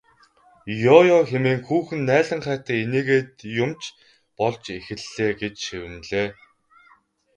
Ёо ёо хэмээн хүүхэн наалинхайтан инээгээд юм ч болж эхэллээ гэж шивнэлээ.